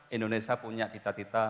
indonesia punya cita cita